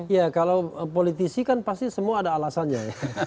ya kalau politisi kan pasti semua ada alasannya